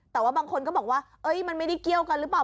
แต่ว่าบางคนก็บอกว่ามันไม่ได้เกี่ยวกันหรือเปล่า